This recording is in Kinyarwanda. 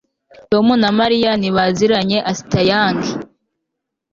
Tom na Mariya ntibaziranye astyng